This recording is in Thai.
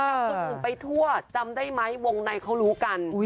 คนอื่นไปทั่วจำได้ไหมวงในเขารู้กัน